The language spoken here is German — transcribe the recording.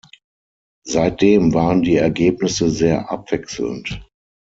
Seitdem waren die Ergebnisse sehr abwechselnd.